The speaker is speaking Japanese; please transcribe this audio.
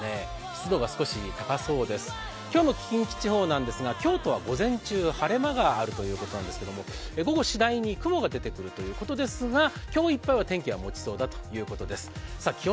今日の近畿地方なんですが今日は午前中晴れ間があるということなんですがしだいに雲が出てくるということですが今日いっぱい天気がもちそうだということです